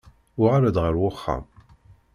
Uɣal-d ɣer wexxam.